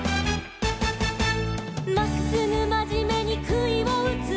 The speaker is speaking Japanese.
「まっすぐまじめにくいをうつ」